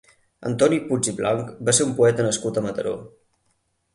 Antoni Puig i Blanch va ser un poeta nascut a Mataró.